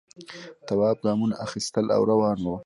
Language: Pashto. تواب گامونه اخیستل او روان و.